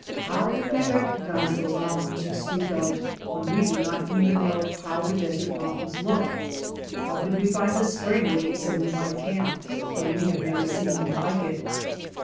How would we recognize those mountains you speak of when we do not even know how the desert mountains look? How could we find the spring where you say we might camp when we have never seen one like it?"